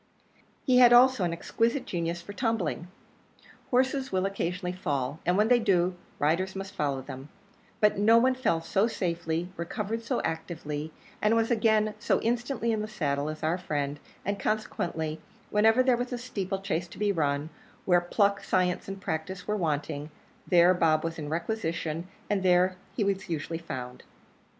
He had also an exquisite genius for tumbling. Horses will occasionally fall, and when they do, riders must follow them; but no one fell so safely, recovered so actively, and was again so instantly in the saddle as our friend; and, consequently, wherever there was a steeple chase to be run, where pluck, science, and practice were wanting, there Bob was in requisition, and there he usually was found.